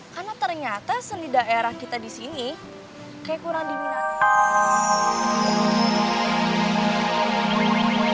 karena ternyata seni daerah kita di sini kayak kurang diminati